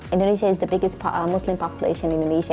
indonesia adalah populasi muslim terbesar di indonesia